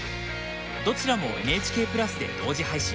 どちらもＮＨＫプラスで同時配信。